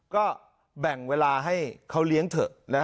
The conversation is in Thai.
ก็แบ่งเวลาให้เขาเลี้ยงเถอะ